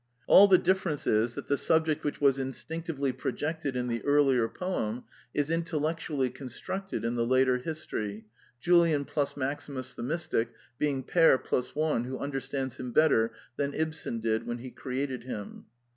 All the difference is that the subject which was instinct ively projected in the earlier poem, is intellect ually constructed in the later history, Julian plus Maximus the Mystic being Peer plus one who understands him better than Ibsen did when he created him.